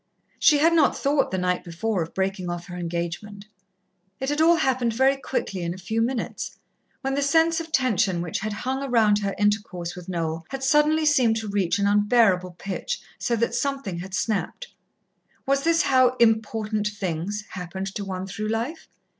She had not thought the night before of breaking off her engagement. It had all happened very quickly in a few minutes, when the sense of tension which had hung round her intercourse with Noel had suddenly seemed to reach an unbearable pitch, so that something had snapped. Was this how Important Things happened to one through life?